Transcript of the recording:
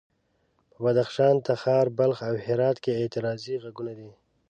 په بدخشان، تخار، بلخ او هرات کې اعتراضي غږونه دي.